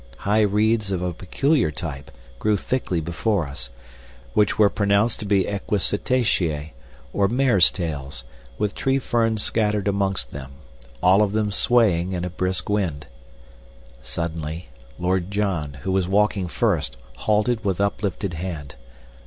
High reeds of a peculiar type grew thickly before us, which were pronounced to be equisetacea, or mare's tails, with tree ferns scattered amongst them, all of them swaying in a brisk wind. Suddenly Lord John, who was walking first, halted with uplifted hand.